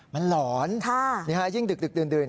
มันหลอนยิ่งดึกดื่น